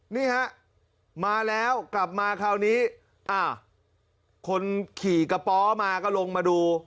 นี่ฮะมาแล้วกลับมาคราวนี้อ้าวคนขี่กระป๋อมาก็ลงมาดู